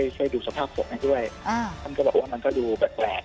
ช่วยดูสภาพของมันด้วยมันก็ดูแปลก